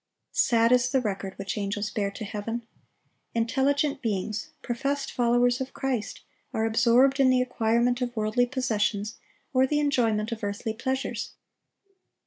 Sad is the record which angels bear to heaven. Intelligent beings, professed followers of Christ, are absorbed in the acquirement of worldly possessions or the enjoyment of earthly pleasures.